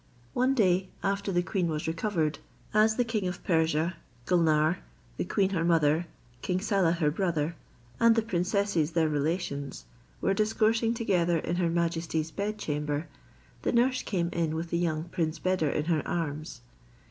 One day, after the queen was recovered, as the king of Persia, Gulnare, the queen her mother, King Saleh her brother, and the princesses their relations, were discoursing together in her majesty's bed chamber, the nurse came in with the young prince Beder in her arms.